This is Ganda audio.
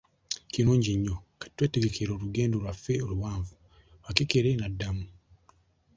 Kirungi nnyo, kati twetegekere olugendo Iwaffe oluwanvu, Wakikere n'addamu.